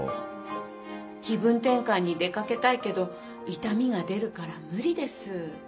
気分転換に出かけたいけど痛みが出るから無理です。